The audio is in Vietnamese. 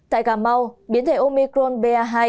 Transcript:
tại cà mau biến thể omicron ba hai